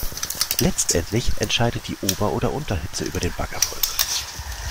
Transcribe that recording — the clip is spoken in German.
Letztendlich entscheidet die Ober- oder Unterhitze über den Backerfolg.